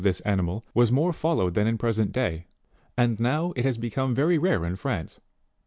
53 this animal was more followed than in the present day, and now it has become very rare in France.